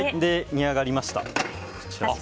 煮上がりました。